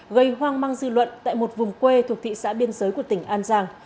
gây hoang mang dư luận tại một vùng quê thuộc thị xã biên giới của tỉnh an giang